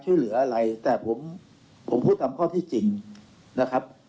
ช่วยเหลืออะไรแต่ผมผมพูดตามข้อที่จริงนะครับ